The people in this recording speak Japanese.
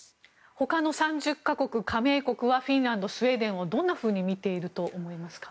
他の３０か国、加盟国はフィンランド、スウェーデンをどんなふうにみていると思いますか？